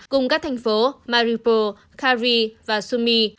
cùng các thành phố mariupol khariv và sumy